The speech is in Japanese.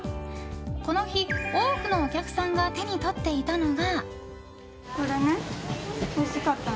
この日、多くのお客さんが手に取っていたのが。